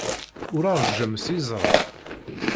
Ur ṛejjem s yeẓra.